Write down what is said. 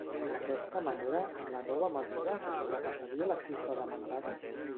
D'aquesta manera, amb la nova mesura se sobrepassaria la xifra demandada?